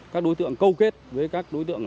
các đối tượng câu kết với các đối tượng